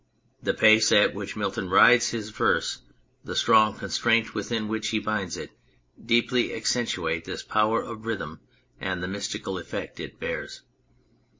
The pace at which Milton rides his verse, 146 On Milton the strong constraint within which he binds it, deeply accentuate this power of rhythm and the mystical effect it bears.